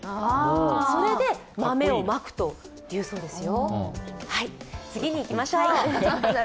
それで豆をまくというそうですよ。